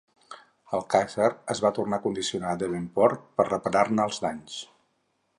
El "Caesar" es va tornar a condicionar a Devonport per reparar-ne els danys.